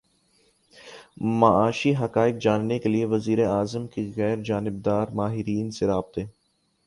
معاشی حقائق جاننے کیلیے وزیر اعظم کے غیر جانبدار ماہرین سے رابطے